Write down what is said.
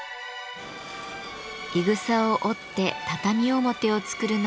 いぐさを織って畳表を作るのも早川さん